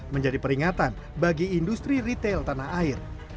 menjadi peringatan bagi industri retail tanah air